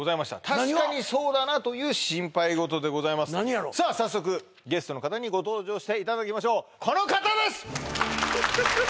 確かにそうだなという心配事でございますさあ早速ゲストの方にご登場していただきましょうこの方です！